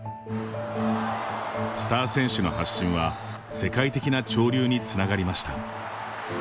スター選手の発信は世界的な潮流につながりました。